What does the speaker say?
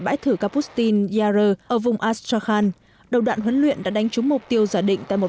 vùng kapustin yarur ở vùng astrakhan đầu đoạn huấn luyện đã đánh trúng mục tiêu giả định tại một